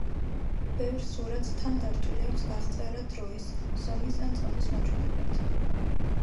ბევრ სურათს თან დართული აქვს აღწერა დროის, ზომის ან წონის მაჩვენებლით.